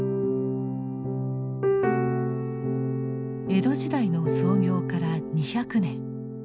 江戸時代の創業から２００年。